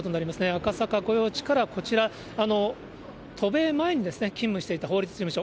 赤坂御用地からこちら、渡米前に勤務していた法律事務所。